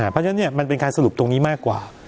เพราะฉะนั้นมันเป็นการสรุปตรงนี้มากกว่า